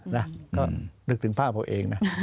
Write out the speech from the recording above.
นะก็นึกถึงภาพเขาเองนะ